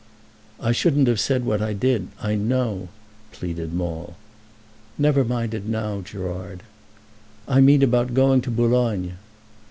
"I shouldn't have said what I did, I know," pleaded Maule. "Never mind it now, Gerard." "I mean about going to Boulogne."